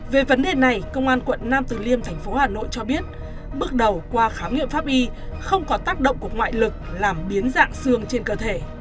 về vấn đề này công an quận nam từ liêm thành phố hà nội cho biết bước đầu qua khám nghiệm pháp y không có tác động của ngoại lực làm biến dạng xương trên cơ thể